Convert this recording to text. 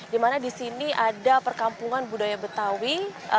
dimana di sini ada perkampungan budaya betawi